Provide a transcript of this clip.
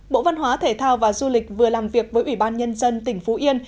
bộ văn hóa thể thao và du lịch vừa làm việc với ủy ban nhân dân tỉnh phú yên